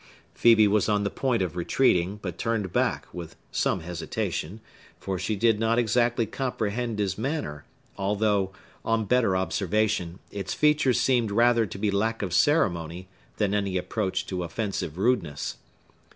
Phœbe was on the point of retreating, but turned back, with some hesitation; for she did not exactly comprehend his manner, although, on better observation, its feature seemed rather to be lack of ceremony than any approach to offensive rudeness.